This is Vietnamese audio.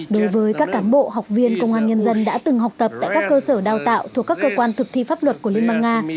đối với các cán bộ học viên công an nhân dân đã từng học tập tại các cơ sở đào tạo thuộc các cơ quan thực thi pháp luật của liên bang nga